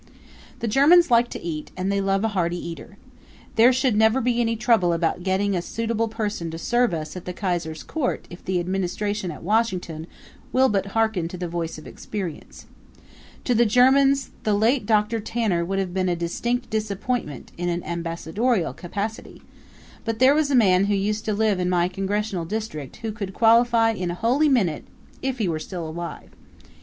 The Germans like to eat and they love a hearty eater. There should never be any trouble about getting a suitable person to serve us at the Kaiser's court if the Administration at Washington will but harken to the voice of experience. To the Germans the late Doctor Tanner would have been a distinct disappointment in an ambassadorial capacity; but there was a man who used to live in my congressional district who could qualify in a holy minute if he were still alive.